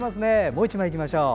もう１枚いきましょう。